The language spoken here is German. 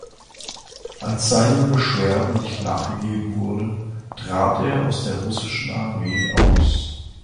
Als seinen Beschwerden nicht nachgegeben wurde, trat er aus der russischen Armee aus.